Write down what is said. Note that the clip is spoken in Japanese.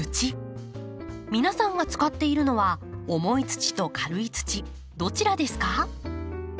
皆さんが使っているのは重い土と軽い土どちらですか？